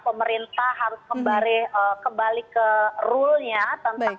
pemerintah harus kembali ke rule nya tentang